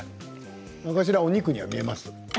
お肉には見えます。